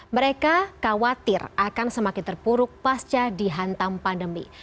mereka khawatir akan semakin terpuruk pasca dihantam pandemi